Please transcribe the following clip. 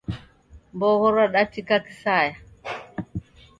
Mbogho radatika kisaya